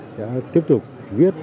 sẽ tiếp tục viết